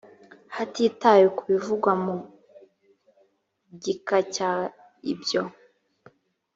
hatitawe ku bivugwa mu gika cya ibyo